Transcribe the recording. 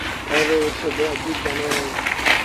ٿر رو اُٺ با اَجيب جآنور اهي۔